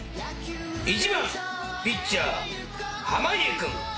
１番ピッチャー濱家君。